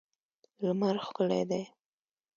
لمر ښکلی دی.